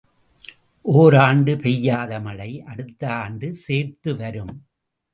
ஓர் ஆண்டு பெய்யாத மழை அடுத்த ஆண்டு சேர்த்து வரும்.